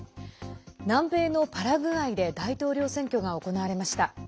南米のパラグアイで大統領選挙が行われました。